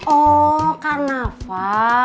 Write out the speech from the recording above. oh karena apa